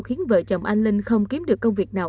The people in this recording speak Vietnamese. khiến vợ chồng anh linh không kiếm được công việc nào